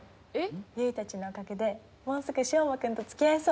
ユイたちのおかげでもうすぐ翔真君と付き合えそう。